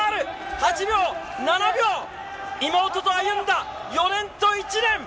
８秒、７秒、妹と歩んだ４年と１年。